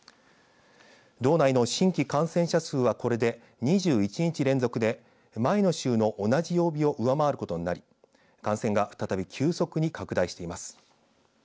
道内の新規感染者数はこれで２１日連続で前の週の同じ曜日を上回ることになり感染が再び急速に拡大しています。